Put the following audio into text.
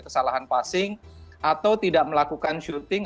kesalahan passing atau tidak melakukan syuting